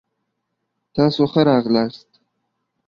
تاسو ښه راغلاست.